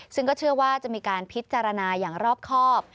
ซึ่งก็เชื่อว่าจะมีการพิจารณาอย่างรอบครอบ